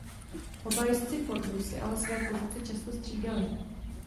Oba jezdci Fordu si ale své pozice často střídali.